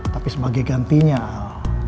tapi sebagai gantinya al